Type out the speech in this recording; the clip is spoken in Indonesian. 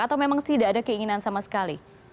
atau memang tidak ada keinginan sama sekali